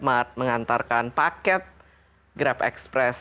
smart mengantarkan paket grab express